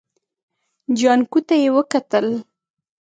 جانکو ته يې وکتل.